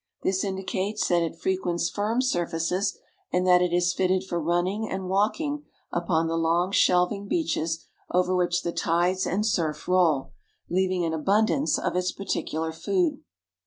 This indicates that it frequents firm surfaces and that it is fitted for running and walking upon the long, shelving beaches over which the tides and surf roll, leaving an abundance of its particular food.